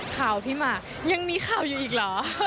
ข่าวพี่หมากยังมีข่าวอยู่อีกเหรอ